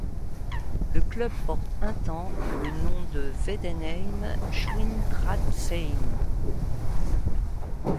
Le club porte un temps le nom de Vendenheim-Schwindratzheim.